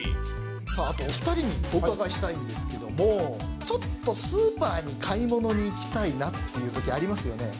あとお２人にお伺いしたいんですけど、ちょっとスーパーに買い物に行きたいなっていうときありますよね。